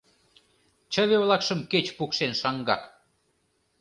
Чыве-влакшым кеч пукшен шаҥгак.